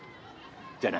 じゃあな。